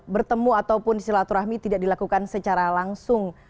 bertemu ataupun silaturahmi tidak dilakukan secara langsung